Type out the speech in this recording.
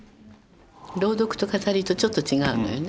朗読と語りとちょっと違うのよね。